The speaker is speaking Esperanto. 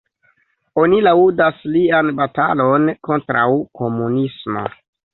Oni laŭdas lian batalon kontraŭ komunismo.